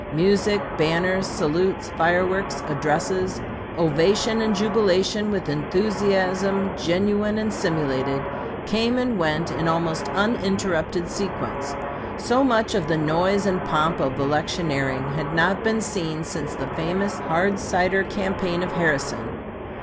Music, banners, salutes, fireworks, addresses, ovation, and jubilation with enthusiasm genuine and simulated, came and went in almost uninterrupted sequence; so much of the noise and pomp of electioneering had not been seen since the famous hard cider campaign of Harrison.